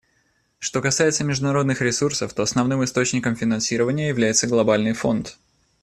Что касается международных ресурсов, то основным источником финансирования является Глобальный фонд.